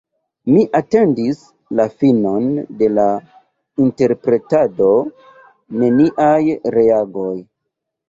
Mi atendis la finon de la interpretado: neniaj reagoj!